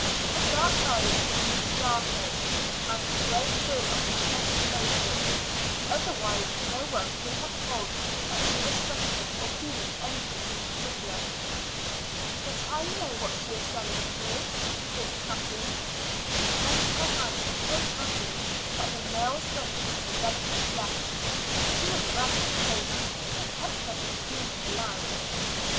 Her darks eyes seemed to darken and grow full of intense emotion; otherwise no one could have told that she was suffering or feeling anything in particular. "But I know what she is going through," thought Kathleen. She clenched her hands so tightly that the nails went into the delicate flesh. She was glad of the pain; it kept her from screaming aloud.